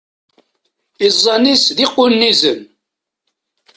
Iẓẓan-is d iqunnizen.